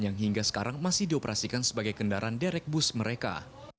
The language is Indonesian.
yang hingga sekarang masih dioperasikan sebagai kendaraan derek bus mereka